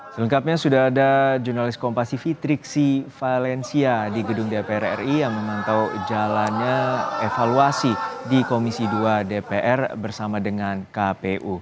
selengkapnya sudah ada jurnalis kompasi fitriksi valencia di gedung dpr ri yang memantau jalannya evaluasi di komisi dua dpr bersama dengan kpu